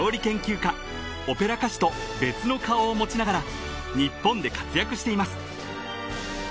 ［別の顔を持ちながら日本で活躍しています］